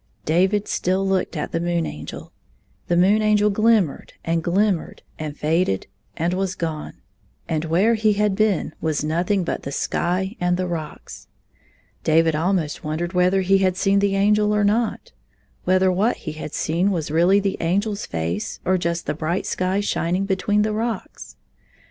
David still looked at the Moon Angel. The Moon Angel glinamered and glimmered and faded and was gone, and where he had been was nothing 36 but the sky and the rocks. David ahnost won dered whether he had seen the Angel or not — whether what he had seen was really the AngeFs face or just the bright sky shining between the rocks.